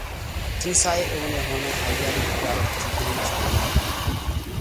ትንሣኤ እውን የሆነው አያሌ ተግዳሮቶችን ድል ነሥቶ ነው።